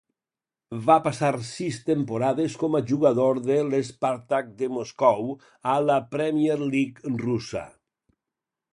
Va passar sis temporades com a jugador de l'Spartak de Moscou a la Premier League russa.